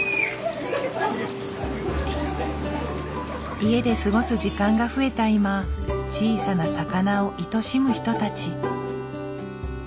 家で過ごす時間が増えた今小さな魚をいとしむ人たち。